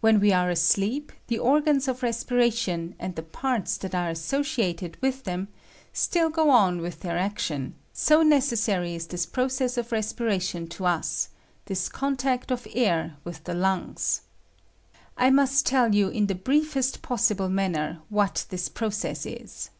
"When we are asleep, the organs of respiration and the parts that are as sociated with them still go on with their ac tion, so necessary ia this process of respiration to us, this contact of the air with the lungs. I must tell you, in the briefest possible manner, what this process is.